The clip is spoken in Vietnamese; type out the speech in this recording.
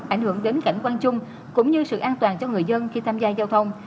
ảnh hưởng đến cảnh quan chung cũng như sự an toàn cho người dân khi tham gia giao thông